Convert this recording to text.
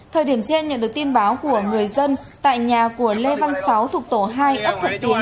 thời điểm trên nhận được tin báo của người dân tại nhà của lê văn sáu thuộc tổ hai ấp thuận tiến